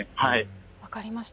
分かりました。